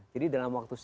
jadi dalam waktu sikap